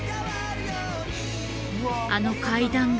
あの階段が。